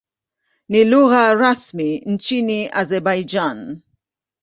Ni lugha rasmi nchini Azerbaijan.